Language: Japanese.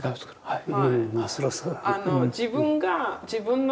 はい。